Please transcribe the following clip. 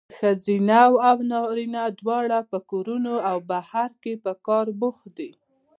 ښځینه او نارینه دواړه په کورونو او بهر کې په کار بوخت دي.